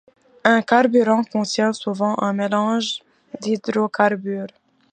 Un carburant contient souvent un mélange d'hydrocarbures.